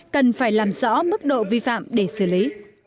cần phải làm rõ mức độ vi phạm để xử lý